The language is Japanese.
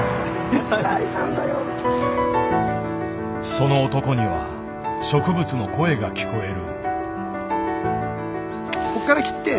その男には植物の声が聞こえる。